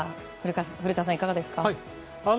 古田さん、いかがですか。